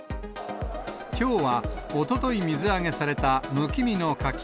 きょうは、おととい水揚げされたむき身のカキ